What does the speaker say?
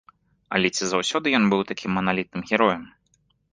Але ці заўсёды ён быў такім маналітным героем?